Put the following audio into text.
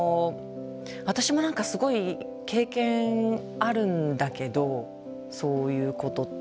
私も何かすごい経験あるんだけどそういうことって。